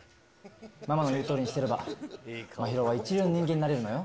ママの言うとおりにしてれば、真宙は一流の人間になれるのよ。